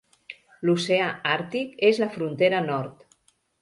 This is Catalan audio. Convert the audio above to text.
L'Oceà Àrtic és la frontera nord.